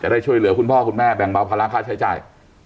ได้ช่วยเหลือคุณพ่อคุณแม่แบ่งเบาภาระค่าใช้จ่าย